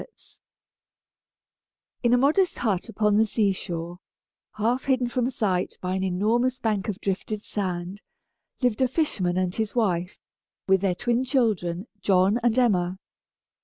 ] In a modest hut upon the sea shore, half hidden from sight by an enormous bank of drifted sand, lived a fisherman and his wife, with their twin children, John and Emma.